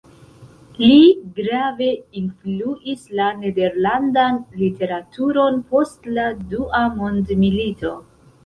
Li grave influis la nederlandan literaturon post la Dua Mondmilito.